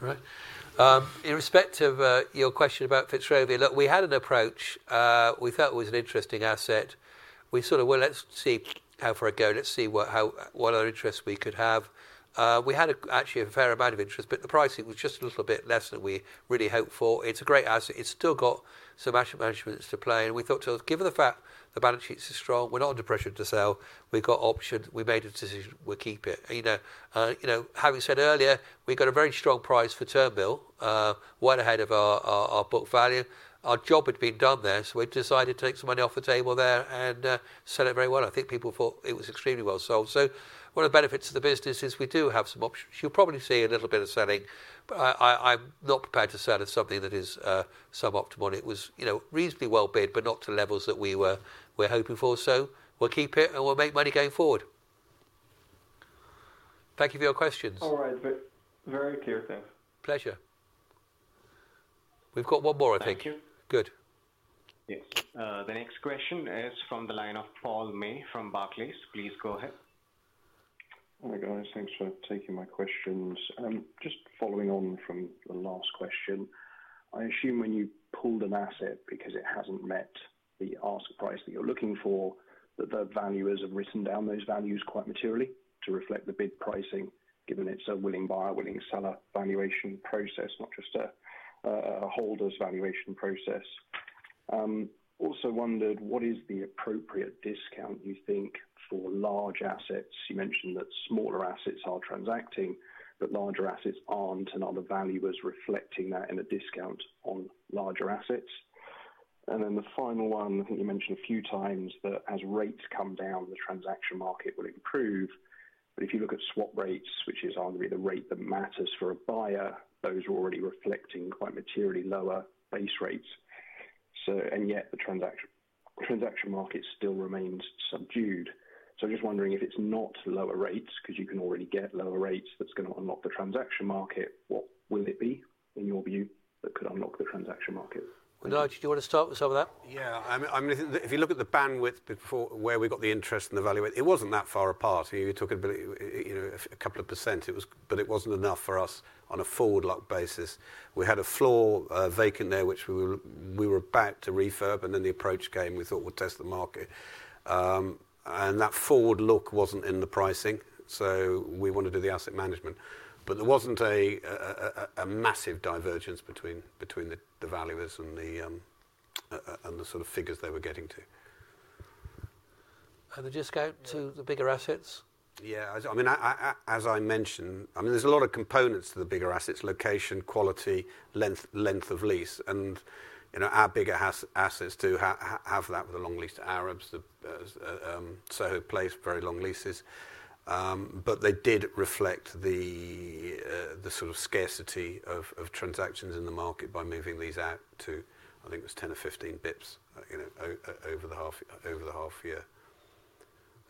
All right. In respect of your question about Fitzrovia, look, we had an approach. We thought it was an interesting asset. We sort of, well, let's see how far it goes. Let's see what other interests we could have. We had actually a fair amount of interest, but the pricing was just a little bit less than we really hoped for. It's a great asset. It's still got some asset management to play. We thought, given the fact the balance sheet is strong, we're not under pressure to sell. We've got options. We made a decision. We'll keep it. Having said earlier, we've got a very strong price for Turnmill, way ahead of our book value. Our job had been done there, so we decided to take some money off the table there and sell it very well. I think people thought it was extremely well sold. One of the benefits of the business is we do have some options. You'll probably see a little bit of selling, but I'm not prepared to sell at something that is sub-optimal. It was reasonably well bid, but not to levels that we were hoping for. So we'll keep it and we'll make money going forward. Thank you for your questions. All right. Very clear. Thanks Pleasure. We've got one more, I think. Thank you. Good. Yes. The next question is from the line of Paul May from Barclays. Please go ahead. Hi guys. Thanks for taking my questions. Just following on from the last question, I assume when you pulled an asset because it hasn't met the ask price that you're looking for, that the valuers have written down those values quite materially to reflect the bid pricing, given it's a willing buyer, willing seller valuation process, not just a holder's valuation process. Also wondered, what is the appropriate discount you think for large assets? You mentioned that smaller assets are transacting, but larger assets aren't, and other valuers reflecting that in a discount on larger assets. And then the final one, I think you mentioned a few times that as rates come down, the transaction market will improve. But if you look at swap rates, which is arguably the rate that matters for a buyer, those are already reflecting quite materially lower base rates. And yet the transaction market still remains subdued. So just wondering if it's not lower rates, because you can already get lower rates that's going to unlock the transaction market, what will it be in your view that could unlock the transaction market? Nigel, do you want to start with some of that? Yeah. I mean, if you look at the bandwidth before where we got the interest and the value, it wasn't that far apart. You were talking about a couple of percent, but it wasn't enough for us on a forward-look basis. We had a floor vacant there, which we were about to refurb, and then the approach came. We thought we'd test the market. That forward look wasn't in the pricing. We wanted to do the asset management. But there wasn't a massive divergence between the valuers and the sort of figures they were getting to. They just go to the bigger assets? Yeah. I mean, as I mentioned, I mean, there's a lot of components to the bigger assets: location, quality, length of lease. Our bigger assets do have that with the long lease to Arabs, the Soho Place, very long leases. But they did reflect the sort of scarcity of transactions in the market by moving these out to, I think it was 10 or 15 basis points over the half year.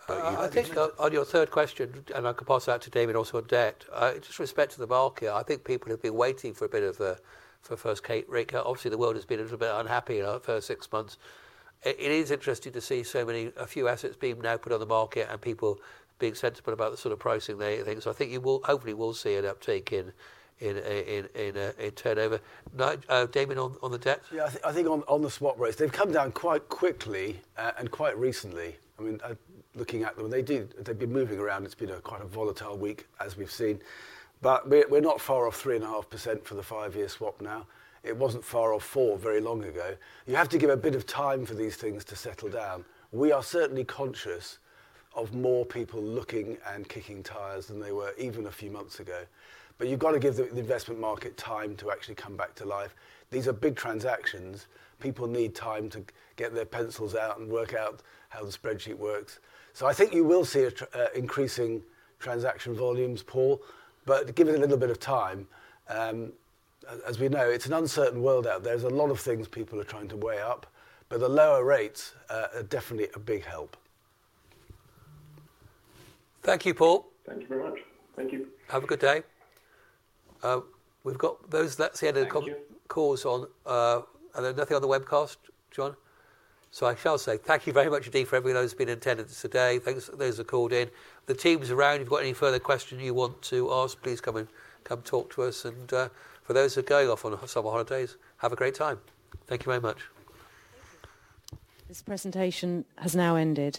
I think on your third question, and I can pass it out to Damian also on debt, just respect to the market, I think people have been waiting for a bit of a first rate cut. Obviously, the world has been a little bit unhappy in our first six months. It is interesting to see so many a few assets being now put on the market and people being sensible about the sort of pricing they think. So I think you will hopefully see an uptake in turnover. Damian, on the debt? Yeah, I think on the swap rates, they've come down quite quickly and quite recently. I mean, looking at them, they've been moving around. It's been quite a volatile week, as we've seen. But we're not far off 3.5% for the five-year swap now. It wasn't far off 4% very long ago. You have to give a bit of time for these things to settle down. We are certainly conscious of more people looking and kicking tires than they were even a few months ago. But you've got to give the investment market time to actually come back to life. These are big transactions. People need time to get their pencils out and work out how the spreadsheet works. So I think you will see increasing transaction volumes, Paul. But give it a little bit of time. As we know, it's an uncertain world out there. There's a lot of things people are trying to weigh up. But the lower rates are definitely a big help. Thank you, Paul. Thank you very much. Thank you. Have a good day. We've got those; let's hear the calls on. There's nothing on the webcast, John. So I shall say thank you very much, Dean, for everything that has been intended today. Those who have called in, the teams around, if you've got any further questions you want to ask, please come and come talk to us. For those who are going off on summer holidays, have a great time. Thank you very much. This presentation has now ended.